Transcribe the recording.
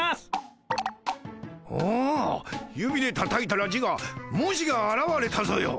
おお指でたたいたら字が文字があらわれたぞよ！